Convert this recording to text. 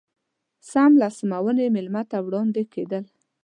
سم له سمونې مېلمه ته وړاندې کېدل.